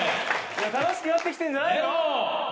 楽しくなってきてんじゃないの？・出ろ。